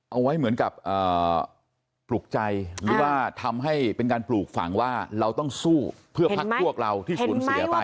เอาไว้เหมือนกับปลุกใจหรือว่าทำให้เป็นการปลูกฝังว่าเราต้องสู้เพื่อพักพวกเราที่สูญเสียไป